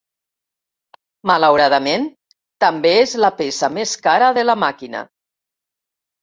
Malauradament, també és la peça més cara de la màquina.